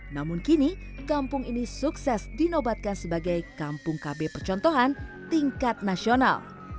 namun kini kampung ini sukses dinobatkan sebagai kampung kb percontohan tingkat nasional